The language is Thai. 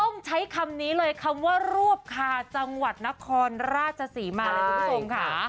ต้องใช้คำนี้เลยคำว่ารวบคาจังหวัดนครราชศรีมาเลยคุณผู้ชมค่ะ